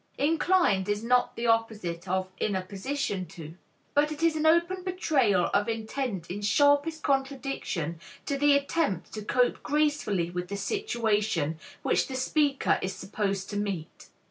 "Inclined" is not the opposite of "in a position to," but it is an open betrayal of intent in sharpest contradiction to the attempt to cope gracefully with the situation which the speaker is supposed to meet.